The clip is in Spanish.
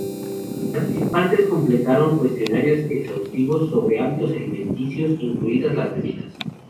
Los participantes completaron cuestionarios exhaustivos sobre hábitos alimenticios, incluidas las bebidas.